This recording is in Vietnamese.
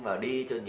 và đi cho nhiều